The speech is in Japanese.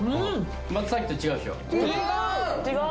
またさっきと違うでしょ違う！